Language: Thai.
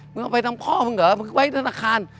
เอาไปทั้งพ่อมึงเหรอมึงไว้ธนาคาร